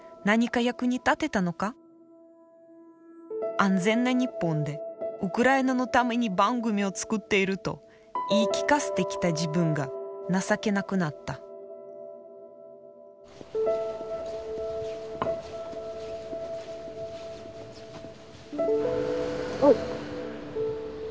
安全な日本で「ウクライナのために番組を作っている」と言い聞かせてきた自分が情けなくなったお。